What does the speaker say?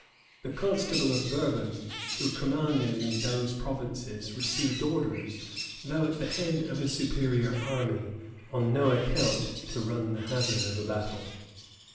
[*] The constable of Bourbon, who commanded in those provinces, received orders, though at the head of a superior army, on no account to run the hazard of a battle.